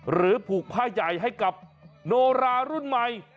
หรือผูกผ้าใหญ่ให้กับโนรารุ่นใหม่